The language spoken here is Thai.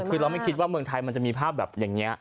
คือเราไม่คิดว่าเมืองไทยมันจะมีภาพแบบอย่างนี้